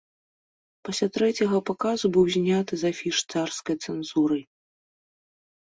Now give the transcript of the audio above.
Пасля трэцяга паказу быў зняты з афіш царскай цэнзурай.